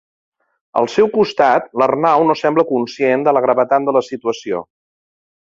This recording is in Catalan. Al seu costat, l'Arnau no sembla conscient de la gravetat de la situació.